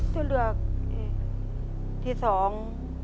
จะเลือกที่สอง